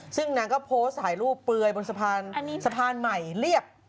ซึ่งนางก็โพสต์ถ่ายรูปเปลือยบนสะพานใหม่เรียบ